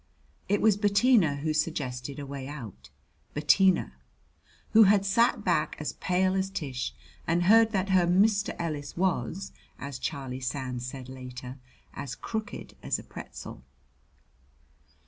It was Bettina who suggested a way out Bettina, who had sat back as pale as Tish and heard that her Mr. Ellis was, as Charlie Sands said later, as crooked as a pretzel.